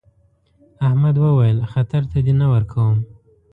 احمد وويل: خطر ته دې نه ورکوم.